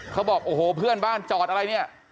เขาบอกโอ้โหเพื่อนบ้านจอดอะไรเนี่ย